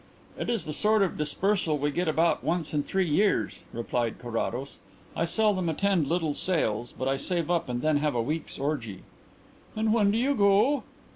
"It is the sort of dispersal we get about once in three years," replied Carrados. "I seldom attend the little sales, but I save up and then have a week's orgy." "And when do you go?"